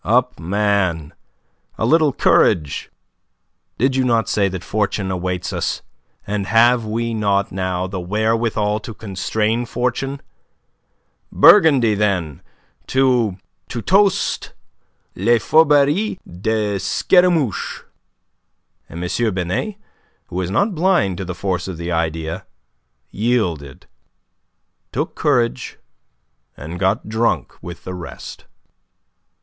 "Up, man, a little courage. Did you not say that fortune awaits us? And have we not now the wherewithal to constrain fortune? Burgundy, then, to... to toast 'Les Fourberies de Scaramouche.'" And M. Binet, who was not blind to the force of the idea, yielded, took courage, and got drunk with the rest.